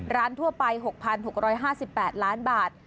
ทั่วไป๖๖๕๘ล้านบาท